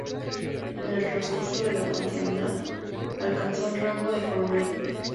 En el transcurso de la contienda alcanzó el rango de coronel.